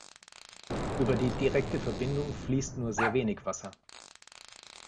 Über die direkte Verbindung fließt nur sehr wenig Wasser.